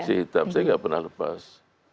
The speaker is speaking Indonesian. pc hitam saya tidak pernah lepas